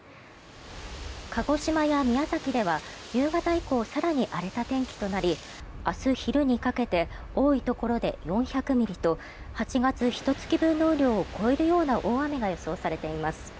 鹿児島や宮崎では夕方以降更に荒れた天気となり明日昼にかけて多いところで４００ミリと８月ひと月分の雨量を超えるような大雨が予想されています。